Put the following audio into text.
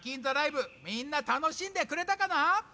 ザ・ライブみんなたのしんでくれたかな？